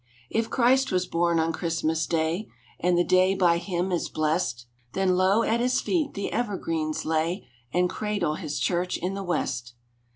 "If Christ was born on Christmas Day, And the day by Him is blest, Then low at His feet the evergreens lay And cradle His church in the West.